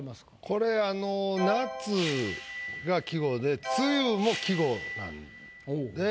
これあの「夏」が季語で「露」も季語なんで。